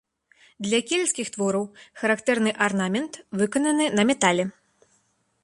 Для кельцкіх твораў характэрны арнамент, выкананы на метале.